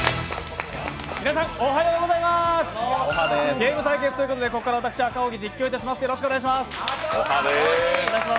ゲーム対決ということでここから私、赤荻、実況いたします。